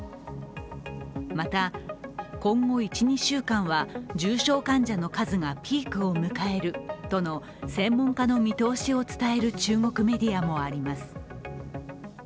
また今後、１２週間は重症患者の数がピークを迎えるとの専門家の見通しを伝える中国メディアもあります。